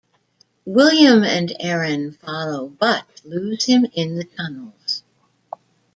William and Aren follow, but lose him in the tunnels.